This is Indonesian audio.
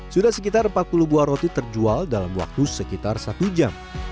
sudah sekitar empat puluh buah roti terjual dalam waktu sekitar satu jam